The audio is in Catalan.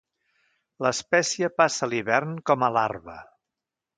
L'espècie passa l'hivern com a larva.